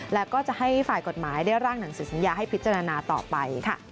แล้วก็จะให้ฝ่ายกฎหมายได้ร่างหนังสือสัญญาให้พิจารณาต่อไปค่ะ